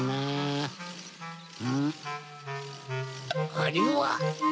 あれは。